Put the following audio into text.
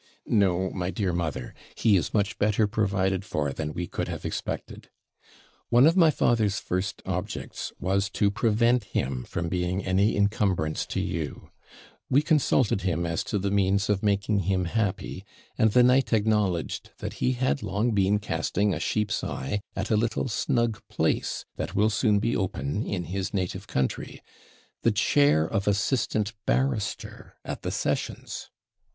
'No, my dear mother; he is much better provided for than we could have expected. One of my father's first objects was to prevent him from being any encumbrance to you. We consulted him as to the means of making him happy; and the knight acknowledged that he had long been casting a sheep's eye at a little snug place, that will soon be open, in his native country the chair of assistant barrister at the sessions.